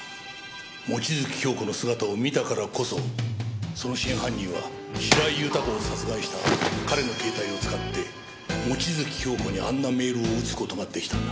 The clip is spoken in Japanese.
望月京子の姿を見たからこそその真犯人は白井豊を殺害したあと彼の携帯を使って望月京子にあんなメールを打つ事が出来たんだ。